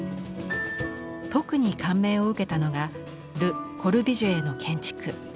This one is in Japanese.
特に感銘を受けたのがル・コルビュジエの建築。